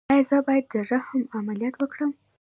ایا زه باید د رحم عملیات وکړم؟